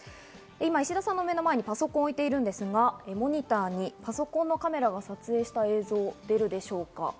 今、石田さんの目の前にパソコンを置いているんですが、モニターにパソコンのカメラが撮影した映像を、出るでしょうか。